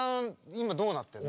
今どうなってるの？